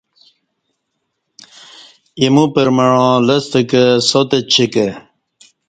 ایمو پرمعاں لستہ کہ ساتچی کہ